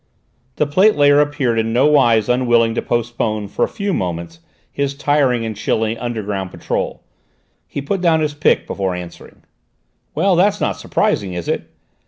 The plate layer appeared in no wise unwilling to postpone for a few moments his tiring and chilly underground patrol; he put down his pick before answering. "Well, that's not surprising, is it?